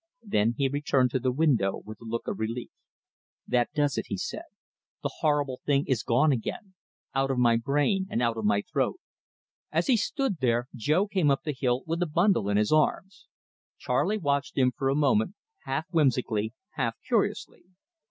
Then he returned to the window with a look of relief. "That does it," he said. "The horrible thing is gone again out of my brain and out of my throat." As he stood there, Jo came up the hill with a bundle in his arms. Charley watched him for a moment, half whimsically, half curiously.